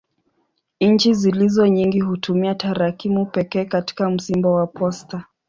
Nchi zilizo nyingi hutumia tarakimu pekee katika msimbo wa posta.